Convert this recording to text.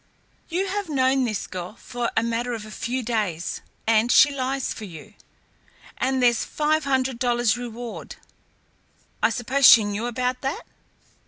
You have known this girl for a matter of a few days, and she lies for you. And there's five hundred dollars reward. I suppose she knew about that?"